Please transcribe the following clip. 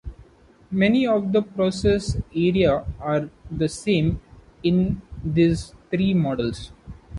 Many of the process areas are the same in these three models.